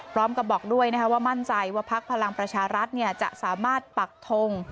พร้อมกับบอกด้วยว่ามั่นใจว่าพักพลังประชารัฐจะสามารถปักทง